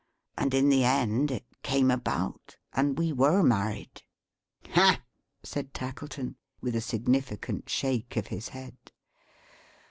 And in the end, it came about, and we were married." "Hah!" said Tackleton, with a significant shake of his head.